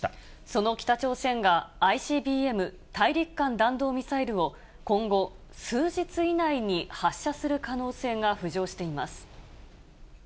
その北朝鮮が、ＩＣＢＭ・大陸間弾道ミサイルを今後、数日以内に発射する可能性が浮上しています。